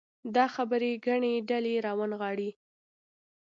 دا خبرې ګڼې ډلې راونغاړي.